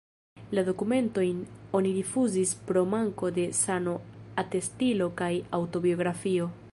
La dokumentojn oni rifuzis pro manko de sano-atestilo kaj aŭtobiografio.